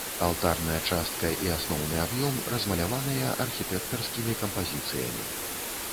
Алтарная частка і асноўны аб'ём размаляваныя архітэктарскімі кампазіцыямі.